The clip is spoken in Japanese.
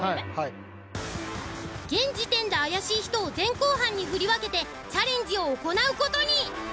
現時点で怪しい人を前後半に振り分けてチャレンジを行う事に。